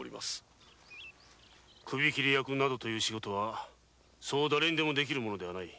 首切り役などという仕事はだれにでも出来るものではない。